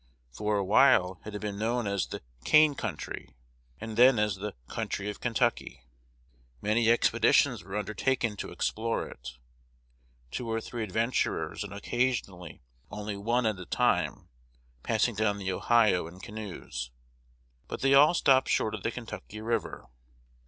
For a while it had been known as the "Cane Country," and then as the "Country of Kentucky." Many expeditions were undertaken to explore it; two or three adventurers, and occasionally only one at a time, passing down the Ohio in canoes. But they all stopped short of the Kentucky River.